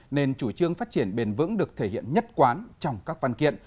nên chủ trương phát triển bền vững được thể hiện nhất quán trong các văn kiện